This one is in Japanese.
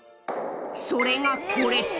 それがこれ。